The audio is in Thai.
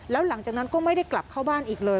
แล้วหลังจากนั้นก็ไม่ได้กลับเข้าบ้านอีกเลย